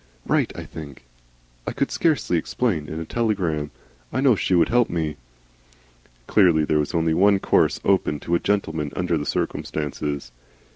Write, I think. I could scarcely explain in a telegram. I know she would help me." Clearly there was only one course open to a gentleman under the circumstances.